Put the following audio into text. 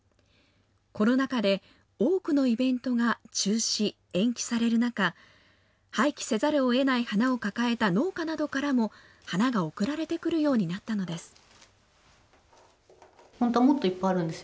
コロナ禍で多くのイベントが中止、延期される中、廃棄せざるをえない花を抱えた農家などからも、花が送られてくるようになったのです。